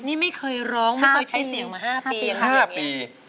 นี่ไม่เคยร้องใช้เสียงมา๕ปี